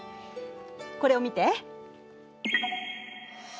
これを見て。